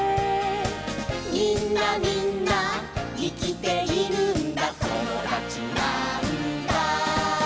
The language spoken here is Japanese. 「みんなみんないきているんだともだちなんだ」